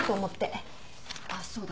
あっそうだ。